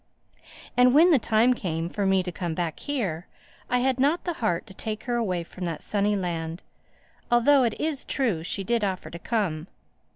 And when the time came for me to come back here I had not the heart to take her away from that sunny land—although, it is true, she did offer to come.